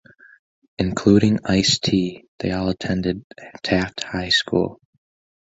Including Ice-T, they all attended Taft High School.